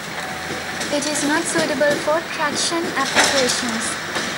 It is not suitable for traction applications.